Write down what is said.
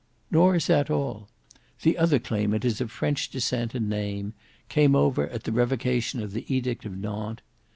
Nor is that all. The other claimant is of French descent and name; came over at the revocation of the Edict of Nantes.